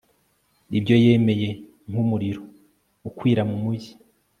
Ibyo yemeye nkumuriro ukwira mu mujyi